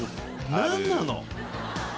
何なの？